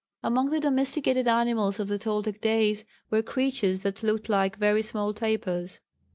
Among the domesticated animals of the Toltec days were creatures that looked like very small tapirs.